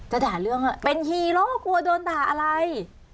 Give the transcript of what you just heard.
ด่าเรื่องว่าเป็นฮีโร่กลัวโดนด่าอะไร